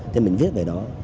thế mình viết về đó